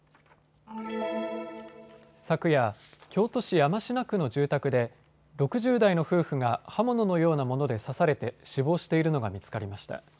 昨夜、京都市山科区の住宅で６０代の夫婦が刃物のようなもので刺されて死亡しているのが見つかりました。